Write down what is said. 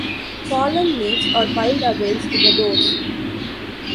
Fallen leaves are piled against the doors.